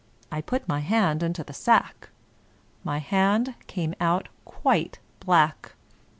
I put my hand into the sack. My hand came out quite black.